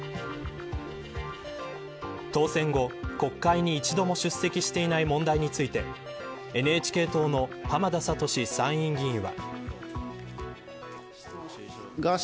当選後、国会に１度も出席していない問題についてＮＨＫ党の浜田聡参議院議員は。